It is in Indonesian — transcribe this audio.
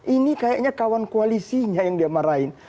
ini kayaknya kawan koalisinya yang dia marahin